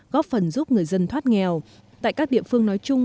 góp phần giúp người dân thoát nghèo tại các địa phương nói chung